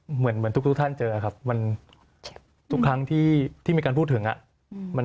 เหมือนทุกท่านเจอครับมันทุกครั้งที่มีการพูดถึงอ่ะ